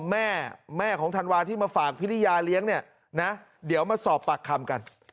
แม่แม่ของธันวาที่มาฝากพิริยาเลี้ยงเนี่ยนะเดี๋ยวมาสอบปากคำกัน